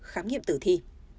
khám nghiệm tử thi